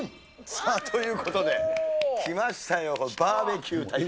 さあ、ということで、来ましたよ、バーベキュー大会。